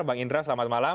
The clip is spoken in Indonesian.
bang indra selamat malam